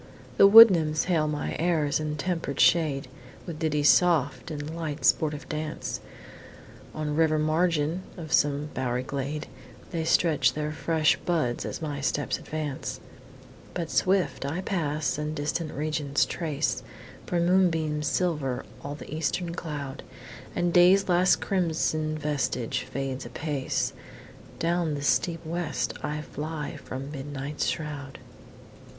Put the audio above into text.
The wood nymphs hail my airs and temper'd shade, With ditties soft and lightly sportive dance, On river margin of some bow'ry glade, And strew their fresh buds as my steps advance: But, swift I pass, and distant regions trace, For moonbeams silver all the eastern cloud, And Day's last crimson vestige fades apace; Down the steep west I fly from Midnight's shroud.